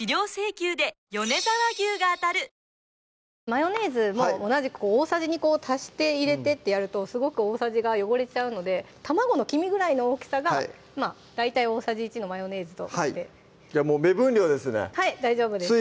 マヨネーズも同じく大さじに足して入れてってやるとすごく大さじが汚れちゃうので卵の黄身ぐらいの大きさがまぁ大体大さじ１のマヨネーズと思ってもう目分量ですねはい大丈夫です